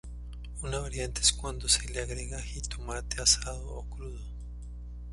Una variante es cuando se le agrega jitomate asado o crudo.